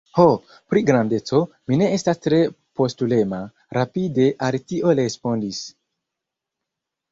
"Ho, pri grandeco, mi ne estas tre postulema," rapide Alicio respondis. "